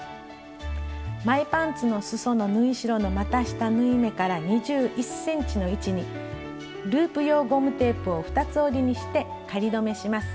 前パンツのすその縫い代のまた下縫い目から２１ｃｍの位置にループ用ゴムテープを二つ折りにして仮留めします。